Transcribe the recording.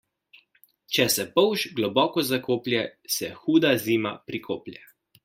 Če se polž globoko zakoplje, se huda zima prikoplje.